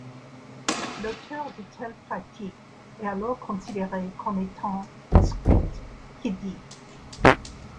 L'auteur de telles pratiques est alors considéré comme étant un script kiddie.